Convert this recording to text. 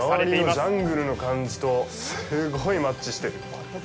この周りのジャングルの感じとすごいマッチしてる。